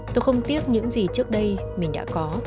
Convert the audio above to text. tôi không tiếc những gì trước đây mình đã có